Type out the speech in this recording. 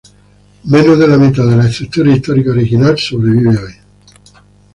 Menos de la mitad de la estructura histórica original, sobrevive hoy.